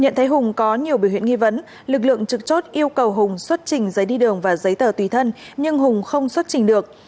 nhận thấy hùng có nhiều biểu hiện nghi vấn lực lượng trực chốt yêu cầu hùng xuất trình giấy đi đường và giấy tờ tùy thân nhưng hùng không xuất trình được